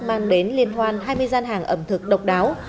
mang đến liên hoan hai mươi gian hàng ẩm thực độc đáo